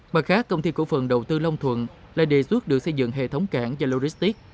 mặt khác công ty cổ phần đầu tư long thuận lại đề xuất được xây dựng hệ thống cảng và loristik